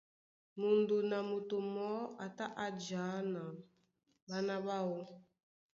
Mudun a moto mɔɔ́ a tá a jǎ na ɓána ɓáō.